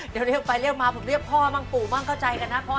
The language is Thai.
เดี๋ยวเรียกไปเรียกมาผมเรียกพ่อบ้างปู่บ้างเข้าใจกันนะพ่อ